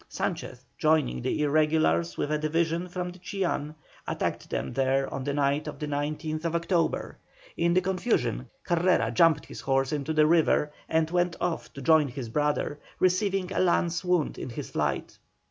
Sanchez, joining the irregulars with a division from Chillán, attacked them there on the night of the 19th October. In the confusion Carrera jumped his horse into the river and went off to join his brother, receiving a lance wound in his flight.